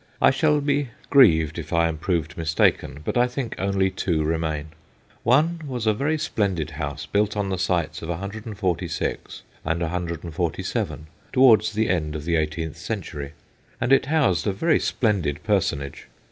I shall be grieved if I am proved mistaken, but I think only two remain. One was a very splendid house, built on the sites of 146 and 147 towards the end of the eighteenth century, and it housed a very splendid personage.